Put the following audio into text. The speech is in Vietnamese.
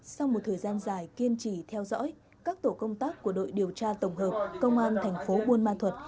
sau một thời gian dài kiên trì theo dõi các tổ công tác của đội điều tra tổng hợp công an tp bôn hoa thuật